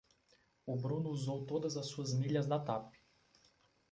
O Bruno usou todas as suas milhas da Tap.